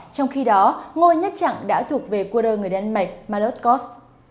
trong khi đó ngôi nhất chặng đã thuộc về quân đội người đan mạch marcos